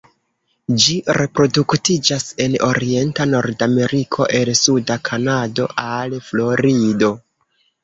Ĝi reproduktiĝas en orienta Nordameriko el suda Kanado al Florido.